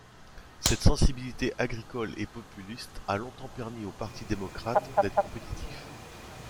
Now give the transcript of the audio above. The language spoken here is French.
Cette sensibilité agricole et populiste a longtemps permis au Parti démocrate d'être compétitif.